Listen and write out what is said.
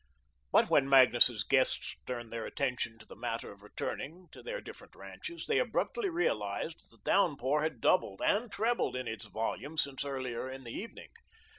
But when Magnus's guests turned their attention to the matter of returning to their different ranches, they abruptly realised that the downpour had doubled and trebled in its volume since earlier in the evening.